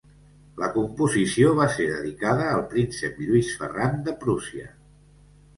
La composició va ser dedicada al príncep Lluís Ferran de Prússia.